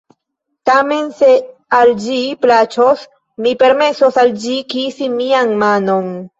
"Tamen se al ĝi plaĉos, mi permesos al ĝi kisi mian manon."